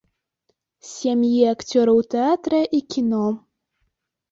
З сям'і акцёраў тэатра і кіно.